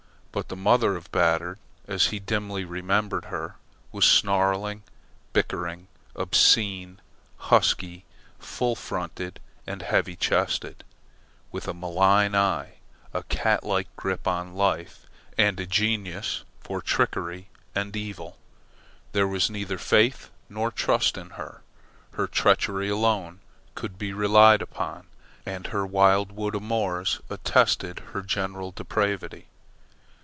But the mother of Batard, as he dimly remembered her, was snarling, bickering, obscene, husky, full fronted and heavy chested, with a malign eye, a cat like grip on life, and a genius for trickery and evil. There was neither faith nor trust in her. Her treachery alone could be relied upon, and her wild wood amours attested her general depravity.